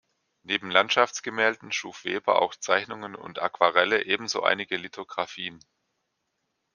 Neben Landschaftsgemälden schuf Weber auch Zeichnungen und Aquarelle, ebenso einige Lithografien.